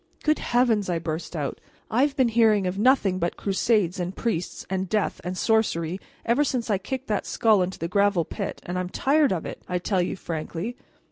"Good Heavens!" I burst out, "I've been hearing of nothing but crusades and priests and death and sorcery ever since I kicked that skull into the gravel pit, and I am tired of it, I tell you frankly.